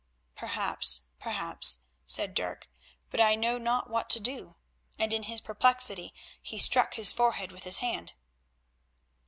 "Perhaps, perhaps," said Dirk, "but I know not what to do," and in his perplexity he struck his forehead with his hand.